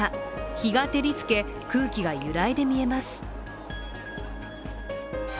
日が照りつけ、空気が揺らいで見えます。